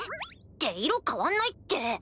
って色変わんないって！